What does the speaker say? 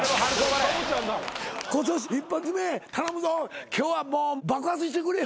「今年一発目頼むぞ今日はもう爆発してくれよ」